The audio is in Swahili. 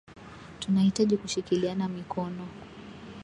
Tunahitaji kushikiliana mikono